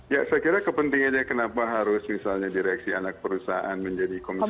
ya saya kira kepentingannya kenapa harus misalnya direksi anak perusahaan menjadi komisioner